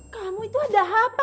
kamu itu ada apa